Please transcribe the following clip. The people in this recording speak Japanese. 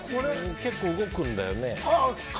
結構動くんだよね。